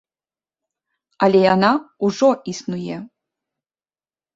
Але яна ўжо існуе.